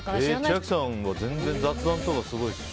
千秋さんとかは雑談とか全然すごいですよ。